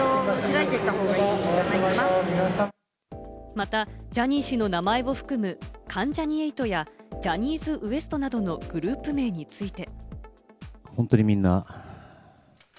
また、ジャニー氏の名前を含む関ジャニ∞やジャニーズＷＥＳＴなどのグループ名について。